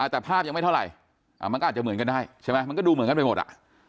แต่ภาพยังไม่เท่าไหร่มันก็อาจจะเหมือนกันได้ใช่ไหมมันก็ดูเหมือนกันไปหมด